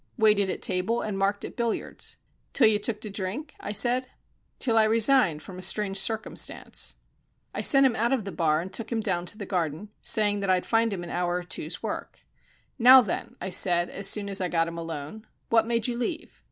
"Waited at table and marked at billiards." "Till you took to drink?" I said. "Till I resigned from a strange circumstance." I sent him out of the bar, and took him down the garden, saying I'd find him an hour or two's work. "Now, then," I said, as soon as I had got him alone, "what made you leave?"